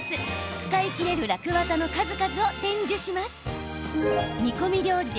使いきれる楽ワザの数々を伝授します。